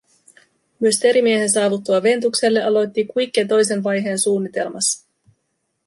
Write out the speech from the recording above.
Mysteerimiehen saavuttua Ventukselle aloitti Quique toisen vaiheen suunnitelmassa.